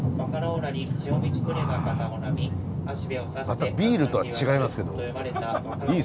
あまたビールとは違いますけどいいですね。